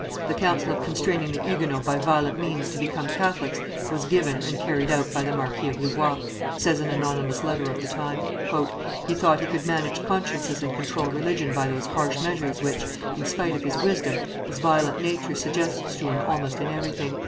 "The counsel of constraining the Huguenots by violent means to become Catholics was given and carried out by the Marquis of Louvois," says an anonymous letter of the time. "He thought he could manage consciences and control religion by those harsh measures which, in spite of his wisdom, his violent nature suggests to him almost in everything."